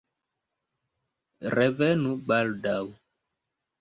Revenu baldaŭ!